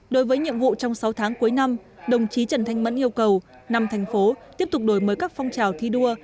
đối với nhiệm vụ trong sáu tháng cuối năm đồng chí trần thanh mẫn yêu cầu năm thành phố tiếp tục đổi mới các phong trào thi đua